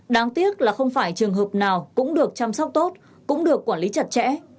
đáng tiếc là không phải trường hợp nào cũng được chăm sóc tốt cũng được quản lý chặt chẽ